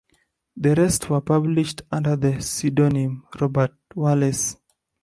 The rest were published under the pseudonym "Robert Wallace".